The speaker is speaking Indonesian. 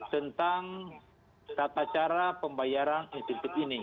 tentang tata cara pembayaran insentif ini